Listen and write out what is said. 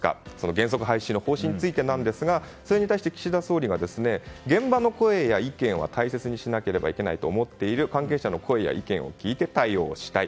原則廃止の方針についてですがそれに対して、岸田総理が現場の声や意見は大切にしなければいけないと思っている、関係者の声や意見を聞いて対応したい。